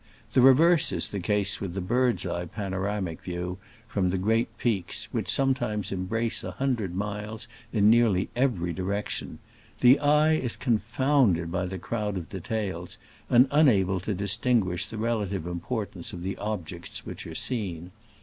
The reverse is the case with the bird's eye panoramic views from the great peaks, which sometimes embrace a hun dred miles in nearly every direction. The eye is confounded by the crowd of details, and unable to distinguish the relative importance of the objects which are seen.